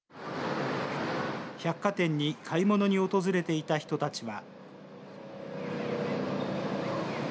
百貨店に買い物に訪れていた人たちは。